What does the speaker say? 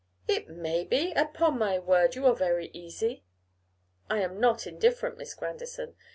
'It may be! Upon my word, you are very easy.' 'I am not indifferent, Miss Grandison.